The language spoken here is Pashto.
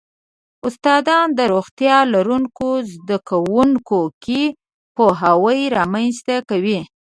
استادان روغتیا لرونکو زده کوونکو کې پوهاوی رامنځته کوي.